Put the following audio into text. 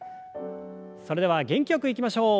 それでは元気よくいきましょう。